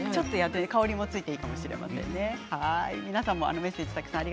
香りもついていいかもしれません。